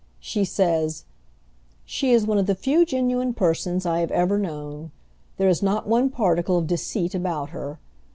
She says: "She is one of the few genuine persons I have ever known. There is not one particle of deceit about her.